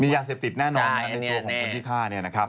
ยาเสพติดแน่นอนในตัวของคนที่ฆ่าเนี่ยนะครับ